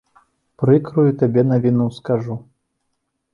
Прыкрую табе навіну скажу.